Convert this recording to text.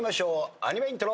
アニメイントロ。